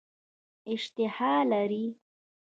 اشتها لري.